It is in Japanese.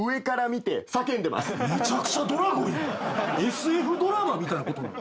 ＳＦドラマみたいなことなの？